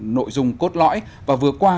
nội dung cốt lõi và vừa qua